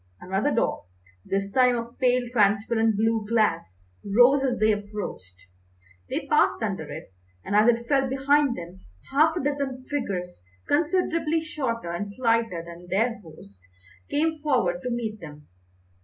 Another door, this time of pale transparent blue glass, rose as they approached; they passed under it, and as it fell behind them half a dozen figures, considerably shorter and slighter than their host, came forward to meet them.